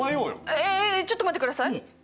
えっえっえっちょっと待ってください。